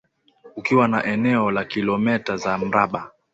ukiwa na eneo la kilometa za mraba